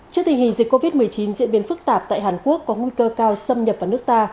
trước tình hình dịch covid một mươi chín diễn biến phức tạp tại hàn quốc có nguy cơ cao xâm nhập vào nước ta